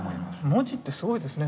文字ってすごいですね。